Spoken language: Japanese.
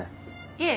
いえ。